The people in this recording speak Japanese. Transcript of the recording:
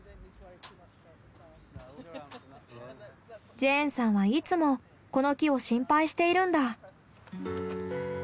ジェーンさんはいつもこの木を心配しているんだ。